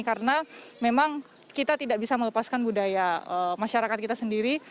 karena memang kita tidak bisa melepaskan budaya masyarakat kita sendiri